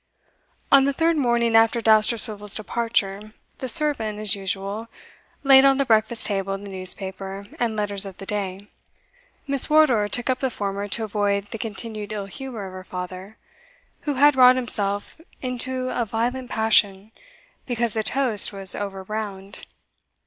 On the third morning after Dousterswivel's departure, the servant, as usual, laid on the breakfast table the newspaper and letters of the day. Miss Wardour took up the former to avoid the continued ill humour of her father, who had wrought himself into a violent passion, because the toast was over browned.